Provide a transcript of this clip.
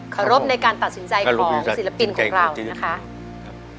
รบในการตัดสินใจของศิลปินของเรานะคะ